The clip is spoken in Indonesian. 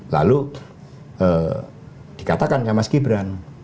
lalu dikatakan ya mas gibran